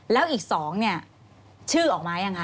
แล้วอีก๒เนี่ยชื่อออกมายังคะ